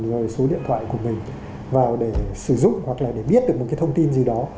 rồi số điện thoại của mình vào để sử dụng hoặc là để biết được một cái thông tin gì đó